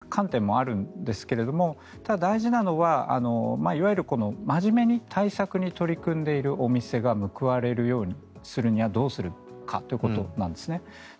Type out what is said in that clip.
監視というような観点もあるんですがただ、大事なのはいわゆる真面目に対策に取り組んでいるお店が報われるようにするにはどうするかということなんです。